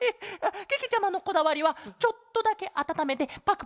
けけちゃまのこだわりはちょっとだけあたためてパクパクおくちに。